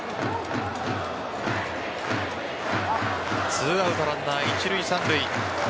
２アウトランナー一塁・三塁。